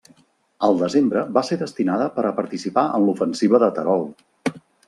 Al desembre va ser destinada per a participar en l'Ofensiva de Terol.